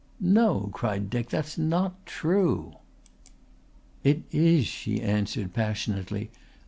"No," cried Dick. "That's not true." "It is," she answered passionately.